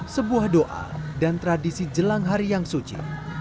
sebuah doa dan tradisi jelang hari yang suci